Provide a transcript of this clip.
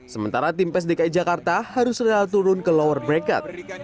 sementara tim pes dki jakarta harus rela turun ke lower brecket